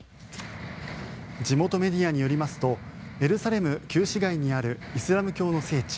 地元メディアによりますとエルサレム旧市街にあるイスラム教の聖地